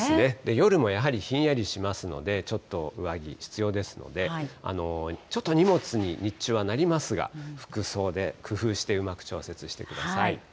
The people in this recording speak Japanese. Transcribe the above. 夜もやはりひんやりしますので、ちょっと上着、必要ですので、ちょっと荷物に、日中はなりますが、服装で工夫して、うまく調節してください。